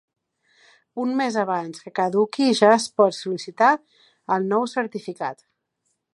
Un mes abans que caduqui ja es pot sol·licitar el nou certificat.